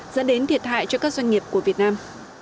dẫn đến thiệt hại cho các doanh nghiệp của việt nam